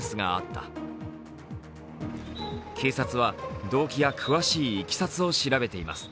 警察は動機や詳しいいきさつを調べています。